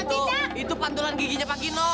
itu itu pantulan giginya pak kino